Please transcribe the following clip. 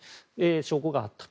証拠があったと。